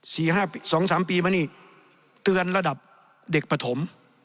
ห้าสองสามปีมานี่เตือนระดับเด็กปฐม